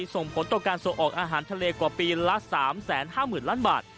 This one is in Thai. ส่งผลต่อการส่งออกอาหารทะเลกว่าปีละ๓๕๐๐๐ล้านบาท